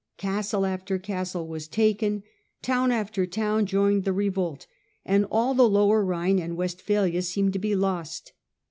Castle after castle was taken, town after town joined the revolt, and all the lower Rhine and West plialia seemed to be lost.